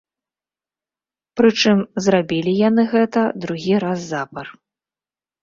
Прычым, зрабілі яны гэта другі раз запар.